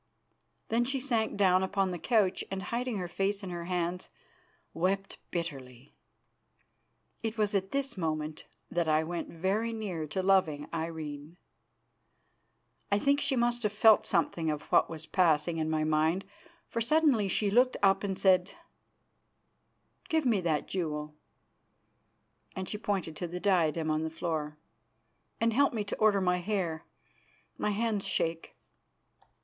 Then she sank down upon the couch, and, hiding her face in her hands, wept bitterly. It was at this moment that I went very near to loving Irene. I think she must have felt something of what was passing in my mind, for suddenly she looked up and said: "Give me that jewel," and she pointed to the diadem on the floor, "and help me to order my hair; my hands shake."